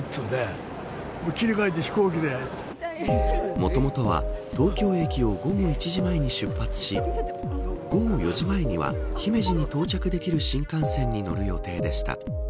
もともとは東京駅を午後１時前に出発し午後４時前には姫路に到着できる新幹線に乗る予定でした。